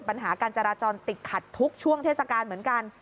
ปัญหาการจราจรติดขัดทุกช่วงเทศกาลเหมือนกัน